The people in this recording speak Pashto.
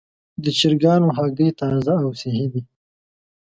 د چرګانو هګۍ تازه او صحي دي.